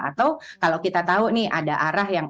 atau kalau kita tahu nih ada arah yang